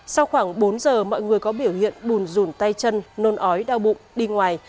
sau khoảng bốn giờ mọi người có biểu hiện bùn rùn tay chân nôn ói đau bụng đi ngoài